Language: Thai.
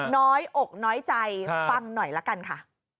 น้อยอกน้อยใจฟังหน่อยละกันค่ะ